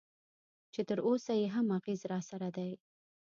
چې تراوسه یې هم اغېز راسره دی.